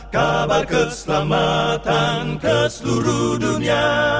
kabar keselamatan ke seluruh dunia